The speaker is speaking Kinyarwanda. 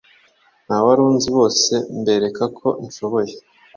ntawarunzi bose mbereka ko nshoboye